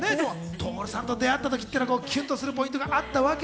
徹さんと出会った時はキュンとするポイントはあったわけ